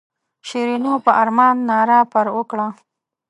شیرینو په ارمان ناره پر وکړه.